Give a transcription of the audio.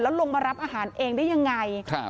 ลงมารับอาหารเองได้ยังไง